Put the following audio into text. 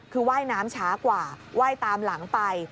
คือว่ายน้ำช้ากว่าไหว้ตามหลังไป